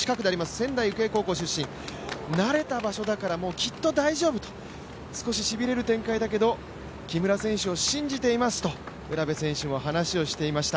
仙台育英高校出身、慣れた場所だからきっと大丈夫と、少ししびれる展開だけど木村選手を信じていますと、卜部選手も話をしていました。